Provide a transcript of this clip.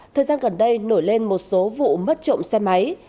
thời gian gần đây nổi lên một số vụ mất trộm xe máy